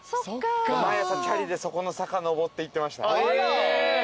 毎朝チャリでそこの坂上っていってました。